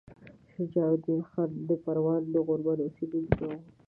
شجاع الدین خان د پروان د غوربند اوسیدونکی وو.